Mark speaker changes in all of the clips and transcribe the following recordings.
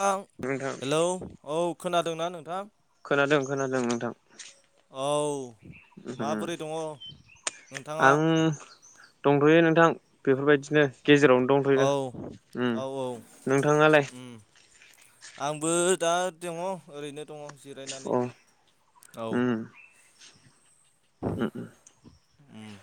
Speaker 1: थां
Speaker 2: नोंथां
Speaker 1: हेलौ औ खोनादोंना नोंथां
Speaker 2: खोनादों खोनादों नोंथां
Speaker 1: औ
Speaker 2: उम
Speaker 1: माबोरै दङ नोंथाङा
Speaker 2: आं दंथ'यो नोंथां बेफोरबायदि बिदिनो गेजेरावनो
Speaker 1: औ
Speaker 2: दंथ'यो उम
Speaker 1: औ
Speaker 2: नोंथाङालाय
Speaker 1: उम आंबो दा दं ओरैनो दं जेरायनानै
Speaker 2: अ
Speaker 1: औ
Speaker 2: उम उम
Speaker 1: उम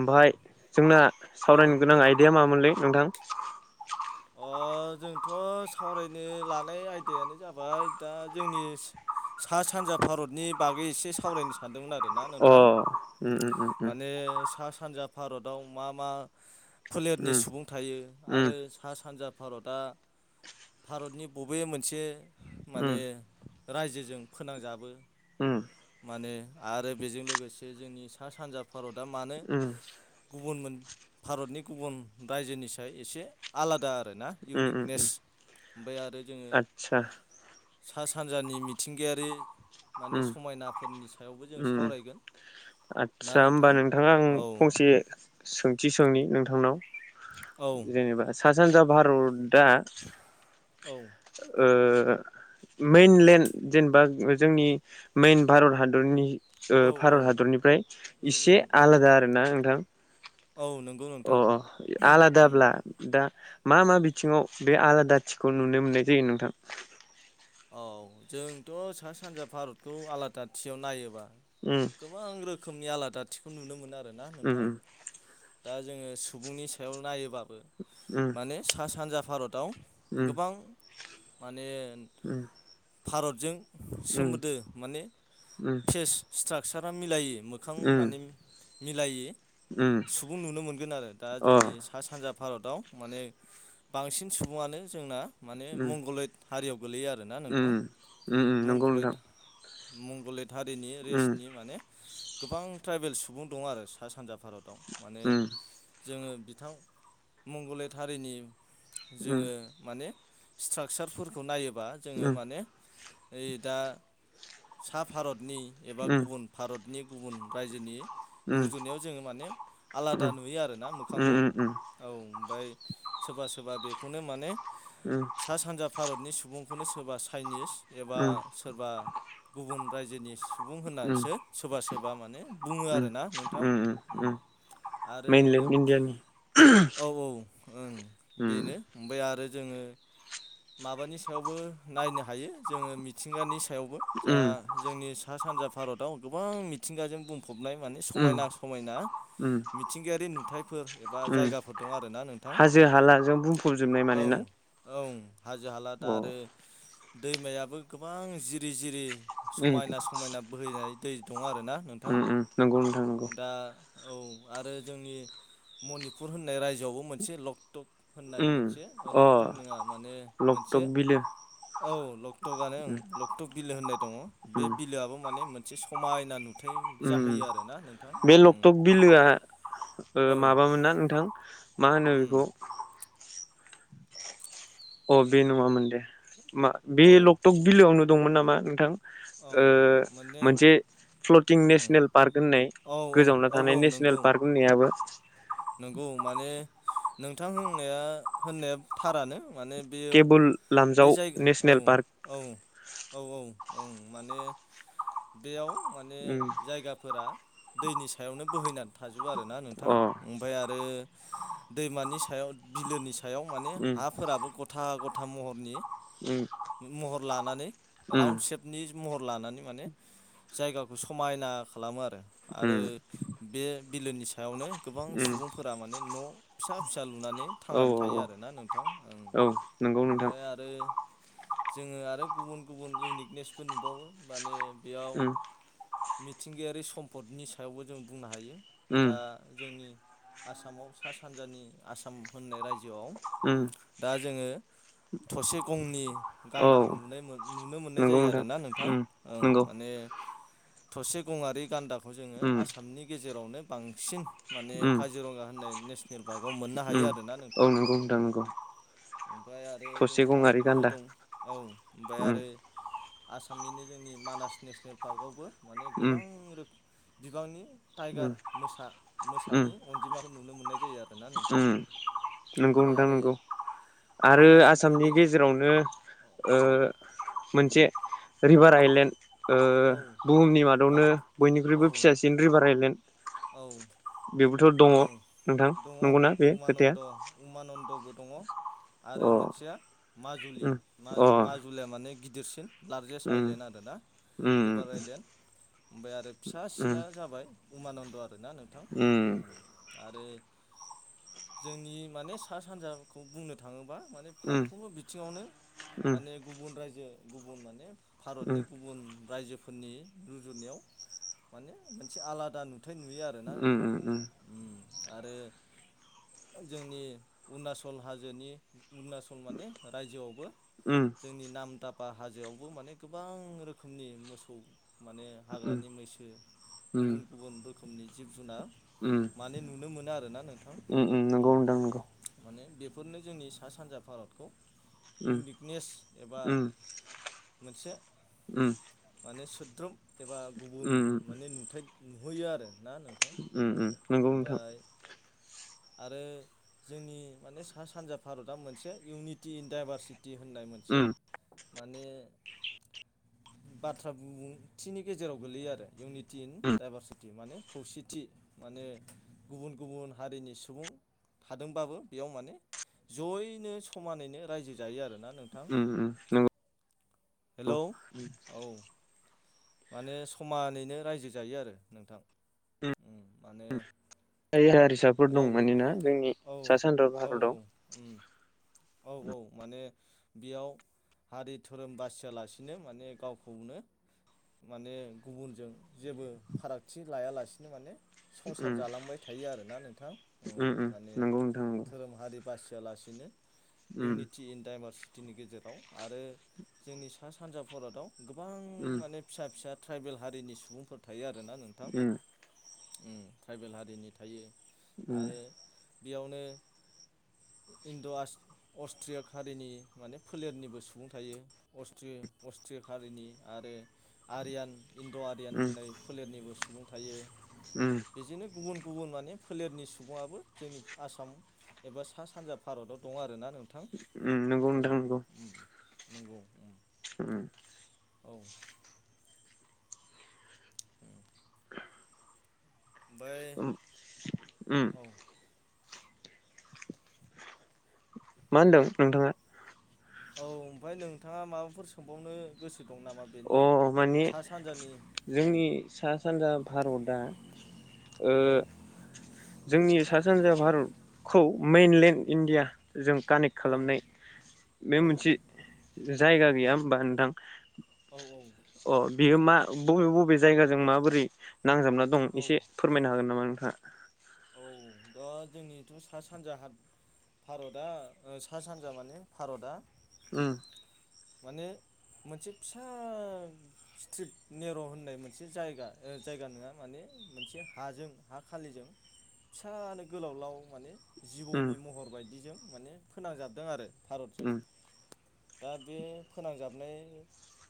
Speaker 2: ओमफाय जोंना
Speaker 1: औ
Speaker 2: सावरायनो गोनां आइदाया मामोनलाय नोंथां?
Speaker 1: जोंथ' सावरायनो लानाय आयदायानो जाबाय दा जोंनि सा सानजा भारतनि बागै एसे सावरायनो सानदोंमोन आरो। ना
Speaker 2: अ
Speaker 1: नोंथां
Speaker 2: उम उम उम
Speaker 1: माने सा सानजा भारताव मा मा फोलेरनि
Speaker 2: उम
Speaker 1: सुबुं थायो
Speaker 2: उम उम
Speaker 1: आरो दा भारतआ भारतनि बबे मोनसे
Speaker 2: उम
Speaker 1: माने रायजोजों फोनांजाबो
Speaker 2: उम
Speaker 1: माने आरो बेजों लोगोसे जोंनि सा सानजा भारतआ मानो
Speaker 2: उम
Speaker 1: गुबुन मोन भारतनि गुबुन रायजोनि साय एसे आलादा आरो ना
Speaker 2: उम
Speaker 1: इउनिकनेस
Speaker 2: उम
Speaker 1: ओमफ्राय आरो जोङो
Speaker 2: आतसा
Speaker 1: सा सानजानि मिथिंगायारि माने
Speaker 2: उम
Speaker 1: समायनाफोरनि सायावबो जों
Speaker 2: उम
Speaker 1: सावरायगोन। ना
Speaker 2: आदसा होमबा
Speaker 1: नोंथां
Speaker 2: नोंथाङा आं
Speaker 1: औ
Speaker 2: फंसे सोंथि सोंनि नोंथांनाव?
Speaker 1: औ
Speaker 2: जेनेबा सा सानजा भारतआ
Speaker 1: औ
Speaker 2: ओ मेनलेण्ड जेनेबा जोंनि मेन भारत हादरनि ओ
Speaker 1: औ औ
Speaker 2: भारत हादरनिफ्राय
Speaker 1: उम उम
Speaker 2: इसे
Speaker 1: उम
Speaker 2: आलादा आरो ना नोंथां।
Speaker 1: औ नंगौ नोंथां
Speaker 2: अ अ
Speaker 1: उम
Speaker 2: आलादाब्ला दा मा मा बिथिङाव बे आलादा थिखौ नुनो मोननाय जायो नोंथां?
Speaker 1: औ जोंथ' सा सानजा भारतखौ आलादाथियाव नायोबा
Speaker 2: उम
Speaker 1: गोबां रोखोमनि आलादाथिखौ नुनो मोनो आरो ना
Speaker 2: उम
Speaker 1: नोंथां। दा जोङो सुबुंनि सायाव नायोबाबो
Speaker 2: उम उम
Speaker 1: माने सा सानजा भारताव
Speaker 2: उम उम
Speaker 1: गोबां माने
Speaker 2: उम
Speaker 1: भारतजों
Speaker 2: अ
Speaker 1: सोमोन्दो माने फेस स्ट्राकसारा मिलायो। मोखां
Speaker 2: उम
Speaker 1: माने मिलायै सुबुं नुनो मोनगोन आरो दा जोंनि सा सानजा भारताव माने बांसिन सुबुङानो जोंना माने
Speaker 2: उम उम
Speaker 1: मंगलैत हारियाव गोलैयो आरोना नोंथां
Speaker 2: उम नंगौ नोंथां
Speaker 1: मंगलैत मंगलैत हारिनि
Speaker 2: उम
Speaker 1: रेसनि माने गोबां ट्राइबेल सुबुं दं आरो सा सानजा भारताव। माने
Speaker 2: उम
Speaker 1: जोङो बिथां मंगलैट हारिनि
Speaker 2: उम
Speaker 1: जोङो माने स्ट्राकसारफोरखौ नायोबा जोङो
Speaker 2: उम
Speaker 1: माने इ दा सा भारतनि एबा गुबुन भारतनि गुबुन रायजोनि रुजुनायाव जोङो माने आलादा नुयो आरोना
Speaker 2: उम
Speaker 1: मोखांखौ औ ओमफ्राय सोरबा सोरबा बे खौनो माने सा सानजा भारतनि सुबुंखौनो सोरबा चाइनिस एबा
Speaker 2: उम
Speaker 1: सोरबा गुबुन रायजोनि सुबुं होननानैसो सोरबा सोरबा माने बुङो आरो ना नोंथां उम
Speaker 2: मेनलेन इण्डयानि
Speaker 1: औ औ ओं बेनो ओमफ्राय आरो जोङो माबानि सायावबो नायनो हायो जोङो मिथिंगानि सा यावबो जा
Speaker 2: उम
Speaker 1: जोंनि सा सानजा भारताव गोबां मिथिंगाजों बुं फबनाय माने
Speaker 2: उम
Speaker 1: समायना समायना
Speaker 2: उम
Speaker 1: मिथिंगायारि नुथायफोर एबा
Speaker 2: उम
Speaker 1: जायगाफोर दं आरो ना नोंथां।
Speaker 2: हाजो हालाजों बुंफबजोबनाय
Speaker 1: औ
Speaker 2: माने ना?
Speaker 1: औ हाजो हाला दा आरो दैमायाबो गोबां जिरि जिरि
Speaker 2: उम
Speaker 1: समायना समायना बोहैनाय दै दंङ आरो।
Speaker 2: ओम ओम नोंगौ नोंथां नोंगौ
Speaker 1: औ आरो जोंनि मनिपुर होननाय रायजोआवबो मोनसे लक टप होननाय
Speaker 2: उम
Speaker 1: मोनसे
Speaker 2: अ
Speaker 1: लकटप नङा माने मोनसे
Speaker 2: लकटक बिलो
Speaker 1: औ लक्टकआनो ओं लक्टक बिलो होननाय दङ
Speaker 2: उम
Speaker 1: बे बिलोआबो माने मोन से समायना नुथाय
Speaker 2: उम
Speaker 1: जाहोयो आरो ना नोंथां
Speaker 2: बे
Speaker 1: ओम
Speaker 2: लकटक बिलोआ ओ माबामोन ना नोंथां मा होनो
Speaker 1: उम
Speaker 2: बेखौ अ बे नङामोन दे मा बे
Speaker 1: औ
Speaker 2: लकटक बिलोआवनो दंमोन नामा नोंथां?
Speaker 1: औ
Speaker 2: ओ
Speaker 1: माने
Speaker 2: मोनसे फ्लटिं
Speaker 1: उम
Speaker 2: नेसनेल पार्क होननाय
Speaker 1: औ औ
Speaker 2: गोजावना थानाय नेसनेल पार्क होननायाबो
Speaker 1: नोंगौ माने नोंथां होननाया होननाया थारानो। माने बेयाव
Speaker 2: केबोल
Speaker 1: बे
Speaker 2: लामजाव
Speaker 1: जाय औ
Speaker 2: नेसनेल पार्क
Speaker 1: औ औ औ। ओं माने बेयाव माने
Speaker 2: उम
Speaker 1: जायगाफोरा दैनि सायावनो बोहैनानै थाजोबो आरोना नोंथां।
Speaker 2: अ
Speaker 1: ओमफ्राय आरो दैमानि सायाव बिलोनि सायाव माने
Speaker 2: उम
Speaker 1: हाफोराबो गथा गथ था महरनि
Speaker 2: उम
Speaker 1: महर लानानै
Speaker 2: उम
Speaker 1: राउन सेभनि महर लानानै माने जायगाखौ समायना खालामो आरो, आरो
Speaker 2: उम
Speaker 1: बे बिलोनि सायावनो गोबां
Speaker 2: उम
Speaker 1: सुबुंफोरा माने न फिसा फिसा लुनानै
Speaker 2: औ
Speaker 1: थांनानै थायो
Speaker 2: औ
Speaker 1: आरोना नोंथां। ओं
Speaker 2: औ नंगौ नोंथां
Speaker 1: ओमफ्राय आरो जोङो आरो गुबुन गुबुन इउनिकनेसफोर नुबावो माने बेयाव
Speaker 2: उम
Speaker 1: मिथिंगायारि सम्पदनि सायावबो जों बुंनो हायो।
Speaker 2: ओम।
Speaker 1: दा जोंनि आसामाव सा सानजानि आसाम होननाय रायजो जोआव
Speaker 2: उम
Speaker 1: दा जोङो थसे गंनि
Speaker 2: औ
Speaker 1: गान्दाखौ नुनाय मोन नुनो मोननाय
Speaker 2: नंगौ
Speaker 1: जायो आरोना नोंथां।
Speaker 2: उम
Speaker 1: ओं
Speaker 2: नंगौ
Speaker 1: माने थसे गङारि गान्दाखौ जोङो
Speaker 2: उम
Speaker 1: आसामनि गेजेरावनो बांसिन माने
Speaker 2: उम
Speaker 1: काजिरङा होननाय नेसनेल पार्कआव मोननो हायो
Speaker 2: उम
Speaker 1: आरो ना
Speaker 2: औ
Speaker 1: नोंथां।
Speaker 2: नंगौ नोंथां नंगौ
Speaker 1: ओमफ्राय आरो
Speaker 2: थसे
Speaker 1: जोंनि
Speaker 2: गंआरि
Speaker 1: आसामावनो
Speaker 2: गान्दा
Speaker 1: दं औ ओमफ्राय
Speaker 2: उम
Speaker 1: आरो आसामनिनो जोंनि मानास नेसनेल पार्कआवबो माने
Speaker 2: उम
Speaker 1: गोबां रोखोम बिबांनि टाइगार
Speaker 2: उम
Speaker 1: मोसा, मोसानि अनजिमाखौ नुनो मोननाय जायो। आरोना नोंथां
Speaker 2: ओम नोंगौ
Speaker 1: ओमफ्राय
Speaker 2: नोंथां
Speaker 1: आरो
Speaker 2: नोंगौ। आरो
Speaker 1: अरुणाचल
Speaker 2: आसामनि
Speaker 1: प्रदेश
Speaker 2: गेजेरावनो ओ
Speaker 1: औ
Speaker 2: मोनसे
Speaker 1: उम
Speaker 2: रिभार आइलेण्ड ओ ओ
Speaker 1: औ
Speaker 2: बुहुमनि
Speaker 1: मा
Speaker 2: मादावनो
Speaker 1: औ
Speaker 2: बयनिख्रुइबो फिसासिन रिभार आइलेण्ड
Speaker 1: औ।
Speaker 2: थ' दङ
Speaker 1: औ
Speaker 2: नोंथां।
Speaker 1: दङ'
Speaker 2: नंगौना बे खोथाया
Speaker 1: उमानन्द उमानन्दबो दङ'। आरो
Speaker 2: अ
Speaker 1: मोनसेया माजुलि
Speaker 2: उम अ
Speaker 1: माजु-माजुलिया माने गिदिरसिन लार्जेस्ट
Speaker 2: उम
Speaker 1: आइलेण्ड आरो ना
Speaker 2: उम
Speaker 1: रिभार आइलेण्ड। ओमफाय आरो
Speaker 2: उम
Speaker 1: फिसासिना जाबाय उमानन्द आरो ना नोंथां।
Speaker 2: उम
Speaker 1: उम आरो जोंनि माने सा सानजाखौ बुंनो थाङोब्ला माने
Speaker 2: उम
Speaker 1: फारफ्रोमबो बिथिङावनो
Speaker 2: उम
Speaker 1: माने गुबुन रायजो गुबुन माने
Speaker 2: उम
Speaker 1: भारतनि गुबुन रायजोफोरनि रुजुनायाव माने मोनसे आलादा नु थाय नुयो आरोना नोंथां।
Speaker 2: ओम।
Speaker 1: उम आरो जोंनि उरुणाचल हाजोनि अरुणाचल माने रायजोआवबो जोंनि नाम दाब बा हाजोआवबो माने गोबां रोखोमनि मोसौ माने हाग्रानि मैसो
Speaker 2: उम
Speaker 1: गुबुन गुबुन रोखोमनि जिब जुनार
Speaker 2: उम
Speaker 1: माने नुनो मोनो आरोना नोंथां माने
Speaker 2: नंगौ
Speaker 1: उम
Speaker 2: नोंथां नंगौ
Speaker 1: माने बेफोरनो जोंनि सा सानजा भारतखौ
Speaker 2: उम
Speaker 1: इउनिकनेस एबा
Speaker 2: उम
Speaker 1: मोनसे
Speaker 2: उम
Speaker 1: माने सो द्रोम एबा गुबुन
Speaker 2: उम
Speaker 1: माने नुथाय नुहोयो आरो ना नों
Speaker 2: उम उम नोंगौ नोंथां।
Speaker 1: आरो जोंनि माने सा सानजा भारतआ मोनसे इउनिटि इन डाइभारसि टि होननाय मोनसे
Speaker 2: उम
Speaker 1: माने
Speaker 2: [inaudible]
Speaker 1: बाथ्रा बिबुंथिनि गेजेराव गोलैयो आरो इउनिटि इन
Speaker 2: उम
Speaker 1: डाइभारसिटि माने खौसेथि। माने गुबुन गुबुन हारिनि सुबुं थादोंबाबो बेयाव माने जयैनो समानैनो रायजो जायो आरोना नोंथां
Speaker 2: उम उम नोंगौ
Speaker 1: हेलौ
Speaker 2: उम
Speaker 1: औ माने समानैनो रायजो जायो आरो नोंथां उम माने
Speaker 2: [inaudible] फिसाफोर दं
Speaker 1: रावबो
Speaker 2: मानोना जोंनि
Speaker 1: औ
Speaker 2: सा सानजा
Speaker 1: औ औ
Speaker 2: भारताव
Speaker 1: उम औ औ माने बेयाव हारि धोरोम बासियालासिनो माने गावखौनो माने गुबुनजों जेबो फारागथि लायालासिनो माने संसार
Speaker 2: उम
Speaker 1: जालांबाय थायो आरोना नोंथां उम माने
Speaker 2: नंगौ नोंथां नंगौ
Speaker 1: धोरोम हारि बासियालासिनो
Speaker 2: उम
Speaker 1: इउनिटि इन दडाइभारसि टिनि गेजेराव आरो जोंनि सा सानजा भारताव गोबां
Speaker 2: उम
Speaker 1: माने फिसा फिसा ट्राइबेल हारिनि सुबुंफोर थायो आरोना नोंथां उम ट्राइबेल हारिनि थायो
Speaker 2: उम
Speaker 1: आरो बेयावनो इण्ड'वास अस्ट्रियाक हारिनि माने फोलेरनिबो सुबुं थायो अस्ट्रिया अस्थिक हारिनि आरो आरियान इन्द' आरयान
Speaker 2: उम
Speaker 1: होननाय फोलेरनिबो सुबुं थायो
Speaker 2: उम
Speaker 1: बिजोनो गुबुन गुबुन माने फोलेरनि सुबुङाबो जोंनि आसाम एबा सा सानजा भारताव दं आरोना नोंथां
Speaker 2: उम नंगौ
Speaker 1: औ
Speaker 2: नोंथां नंगौ
Speaker 1: उम नंगौ उम
Speaker 2: उम
Speaker 1: औ बै
Speaker 2: उम
Speaker 1: औ
Speaker 2: मा होनदों
Speaker 1: हेलौ
Speaker 2: नोंथाङा
Speaker 1: औ ओमफाय नोंथाङा माबाफोर सोंबावनो गोसो दं नामा बेनि
Speaker 2: अ माने
Speaker 1: सा सानजानि औ
Speaker 2: जोंनि सा सानजा भारतआ ओ
Speaker 1: औ
Speaker 2: जोंनि सा सानजा भारतखौ मैइनलेण्ड इण्डिया जों कानेक्ट
Speaker 1: औ
Speaker 2: खालामनाय बे
Speaker 1: औ
Speaker 2: मोनसे जायगा गैया होमबा नोंथां
Speaker 1: औ
Speaker 2: अ बियो मा बबे बबे जायगाजों माबोरै नांजाबना दं
Speaker 1: औ औ
Speaker 2: एसे फोरमायनो हागोन नामा नोंथाङा
Speaker 1: औ दा जोंनिथ' सा सानजाहा भारतआ ओ सा सानजा माने भारतआ
Speaker 2: उम
Speaker 1: माने मोनसे फिसा स्ट्रिप नेर' होननाय मोनसे जायगा ओ जायगा नोआ माने मोनसे हाजों हा खालिजों फिसानो गोलावलाव माने जिबौनि
Speaker 2: उम
Speaker 1: महर बायदिजों माने फोनांजाबदों आरो भारतजों
Speaker 2: उम
Speaker 1: दा बे फोनांजाबनाय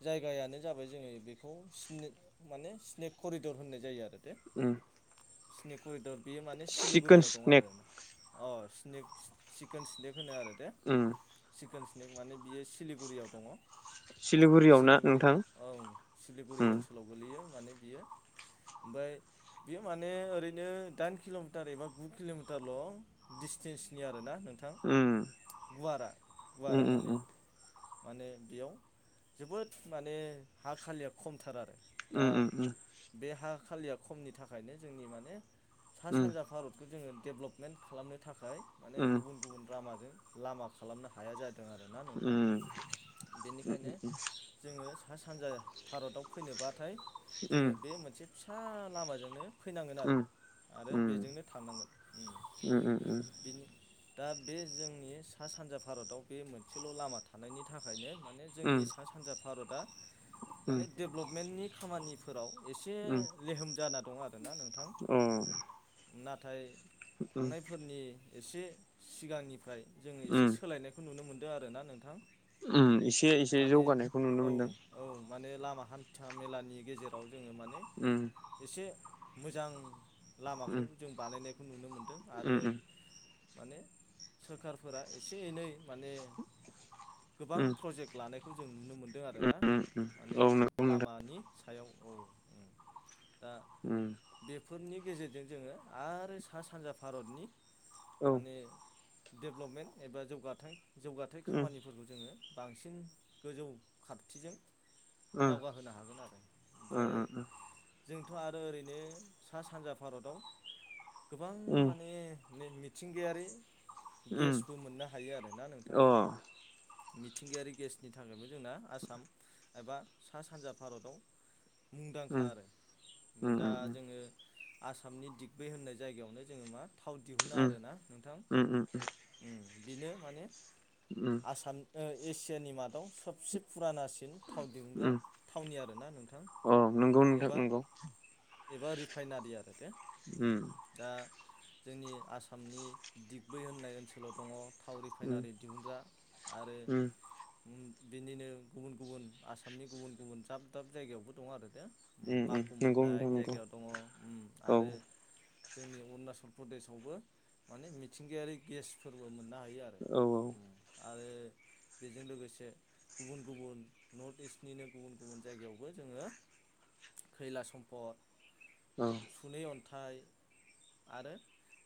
Speaker 1: जायगायानो जाबाय जोङो बेखौ स्ने माने स्नेक करिदर होननाय जायो आरो दे
Speaker 2: उम
Speaker 1: स्नेक करिदर बेयो माने
Speaker 2: चिकोन
Speaker 1: सिलिगुरियाव दं
Speaker 2: स्नेक
Speaker 1: आरो अ स्नेक चिकेन स्नेक होनो आरो दे
Speaker 2: उम
Speaker 1: चकेन स्नेक माने बियो सिलिगुरियाव दङ
Speaker 2: सिलिगुरियाव ना
Speaker 1: सिलिगुरि
Speaker 2: नोंथां
Speaker 1: ओंङ सिलिगुरि
Speaker 2: उम
Speaker 1: ओनसोलाव गोलैयो माने बियो ओमफ्राय बियो माने ओरैनो दाइन किल'मिटार एबा गु किल'मिटारल' डसटेन्सनि आरो ना नों नोंथां
Speaker 2: उम
Speaker 1: गुवारा गुवारा
Speaker 2: उम उम
Speaker 1: माने
Speaker 2: उम
Speaker 1: माने बेयाव जोबोद माने हा खालिया खमथार आरो दा
Speaker 2: उम उम उम
Speaker 1: बे हा खालिया खमनि थाखायनो जोंनि माने सा सानजा भारतखौ जोङो डेभलपमेन्ट खालामनो थाखाय माने
Speaker 2: उम
Speaker 1: गुबुन गुबुन रामाजों लामा खालामनो हाया जादों आरो ना
Speaker 2: उम
Speaker 1: नोंथां
Speaker 2: उम
Speaker 1: बेनिखायनो जोङो सा सानजा भारताव फैनोबाथाय
Speaker 2: अ
Speaker 1: जोङो बे मोनसे फिसा लामाजोंनो फैनांगोन आरो आरो बेजोंनो थांनांगोन ओम बेनि दा बे जोंनि सा सानजा भारताव बे मोनसेल' लामा थानायनि थाखायनो माने जोंनि सा सानजा भारतआ माने डेभ्लपमेन्टनि खामानिफोराव एसे लेहोम जाना दं आरो
Speaker 2: [inaudible]
Speaker 1: नाथाय थांनायफोरनि एसे सिगांनिफ्राय जोङो एसे सोलायनायखौ नुनो मोनदों आरो ना नोंथां
Speaker 2: उ एसे एसे
Speaker 1: माने
Speaker 2: जौगानायखौ नुनो
Speaker 1: औ
Speaker 2: मोनदों
Speaker 1: औ माने लामा हान्था मेलानि गेजेराव जोङो माने एसे मोजां लामाखौ जों बानायनायखौ नुनो मोनदों आरो माने सोरखारफोरा एसे एनै माने गोबां प्रजेक्ट लानाय खौ जों नुनो मोन्दों आरो ना माने लामानि सायाव औ ओ दा बेफोरनि गेजेरजों जोङो आरो सा सानजा भारतनि माने डेभलपमेन्ट एबा जौगा जौगाथायाइ खामानिफोरखौ जोङो बांसिन गोजौ खारथिजों दावगाहोनो हागोन आरो ओमफाय जों थ' आरो ओरैनो सा सानजा भारताव गोबां माने मिथिंगायारि गेसबो मोननो हायो आरोना नोंथां मिथिंगायारि गेसनि थाखायबो जोंना आसाम एबा सा सानजा भारताव मुंदांखा आरो दा जोङो आसामनि दिगबै होननाय जायगायावनो जोङो मा थाव दिहुनो आरो ना नोंथां बेनो माने आसाम ओ एसियानि मादाव सबसे फुराना सि बिन थाव दिहुनग्रा थावनि आरोना नोंथां
Speaker 2: औ नंगौ नोंथां
Speaker 1: एबा
Speaker 2: औ
Speaker 1: एबा रिफाइनारि आरो दे ओ दा जोंनि आसामनि दिगबै होननाय ओनसोलाव दङ थाव रिफाइनारि दिहुनग्रा आरो ओ बिनिनो गुबुन गुबुन आसामनि गुबुन गुबुन दाब दाब जायगायावबो दं आरो दे
Speaker 2: ओ, अ औ नंगौ नोंथां नंगौ
Speaker 1: माखुम
Speaker 2: नंगौ
Speaker 1: होननाय
Speaker 2: नोंथां नंगौ
Speaker 1: जायगायाव दङ ओम
Speaker 2: औ
Speaker 1: आरो जोंनि अरुणाचल प्रदेशआवबो माने मिथिंगायारि गेस फोरबो मोननो हा आरो
Speaker 2: औ औ
Speaker 1: [unintelligible]
Speaker 2: [inaudible]
Speaker 1: बेजों लोगोसे गुबुन गुबुन नर्थ इस्टनिनो गुबुन गुबुन जायगायावबो जोङो खैला सम्पद
Speaker 2: औ
Speaker 1: सुनै अन्थाइ आरो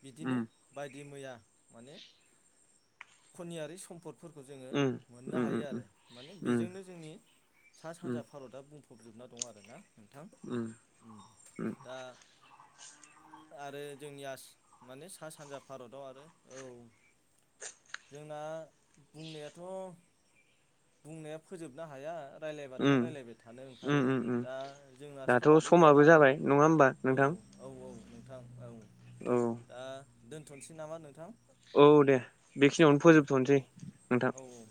Speaker 1: बिदिनो बायदि मैया माने खनियारि सम्पद फोर जोङो मोननो हायो आरो माने बेजोंनो जोंनि सा
Speaker 2: उम
Speaker 1: सानजा भारतआ बुं फबजोबना दं आर ना नोंथां
Speaker 2: उम उम
Speaker 1: दा आरो जोंनि आसाम माने सा सानजा भारताव आरो औ जोंना बुंनायाथ' बुंनाया फोजोबनो हाया राय्लायबाथाय
Speaker 2: उम
Speaker 1: रायज्लायबाय थानो ओंखारो
Speaker 2: उम उम उम
Speaker 1: दा जोंना
Speaker 2: दाथ'
Speaker 1: समाबो गैयाना
Speaker 2: जाबाय नङा होमबा
Speaker 1: औ औ
Speaker 2: [inaudible]
Speaker 1: औ
Speaker 2: [inaudible]
Speaker 1: नोंथां औ
Speaker 2: औ
Speaker 1: दा दोनथ'नोसै नामा नोंथां
Speaker 2: औ दे बेखिनियावनो
Speaker 1: दे
Speaker 2: फोजोबथ'नोसै नोंथां
Speaker 1: औ औ